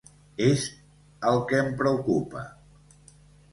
És el que em preocupa.